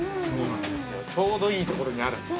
◆ちょうどいいところにある。